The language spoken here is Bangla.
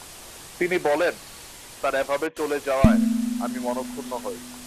তিনি বলেন, তার এভাবে চলে যাওয়ায় আমি মনঃক্ষুন্ন হই।